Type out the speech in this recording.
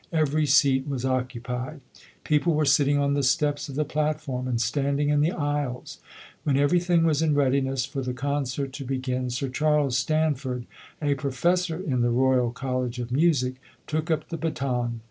Every seat was occupied. People were sitting on the steps of the platform and standing in the aisles. When everything was in readiness for the concert to begin, Sir Charles Stanford, a Profes sor in the Royal College of Music, took up the baton.